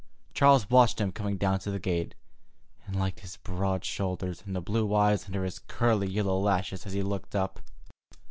Charles watched him coming down to the gate, and liked his broad shoulders, and the blue eyes under his curly yellow lashes as he looked up.